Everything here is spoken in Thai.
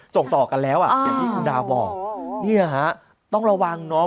ส่งต่อกันแล้วอ่ะอย่างที่คุณดาวบอกเนี่ยฮะต้องระวังเนาะ